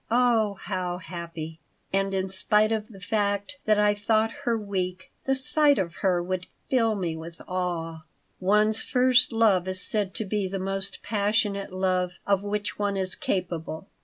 Oh, how happy!" And, in spite of the fact that I thought her weak, the sight of her would fill me with awe. One's first love is said to be the most passionate love of which one is capable.